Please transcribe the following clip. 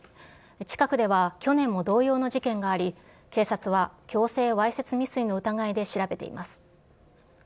近くでは去年も同様の事件があり、警察は、強制わいせつ未遂の疑いで調べています。